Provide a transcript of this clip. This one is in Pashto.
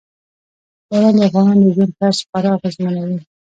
باران د افغانانو د ژوند طرز خورا اغېزمنوي.